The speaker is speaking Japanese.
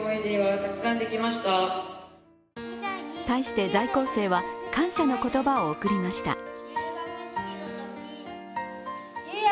対して在校生は、感謝の言葉を送りました。